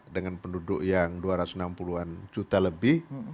dengan penduduk yang dua ratus enam puluh an juta lebih